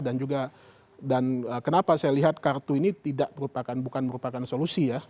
dan kenapa saya lihat kartu ini bukan merupakan solusi ya